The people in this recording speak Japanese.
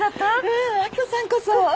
うん明子さんこそ。